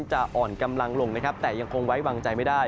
จะอ่อนกำลังลงนะครับแต่ยังคงไว้วางใจไม่ได้